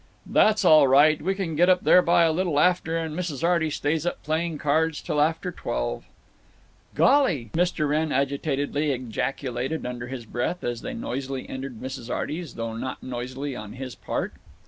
"That's all right. We can get up there by a little after, and Mrs. Arty stays up playing cards till after twelve." "Golly!" Mr. Wrenn agitatedly ejaculated under his breath, as they noisily entered Mrs. Arty's—though not noisily on his part.